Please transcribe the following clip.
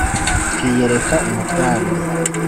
Twiyereka umutware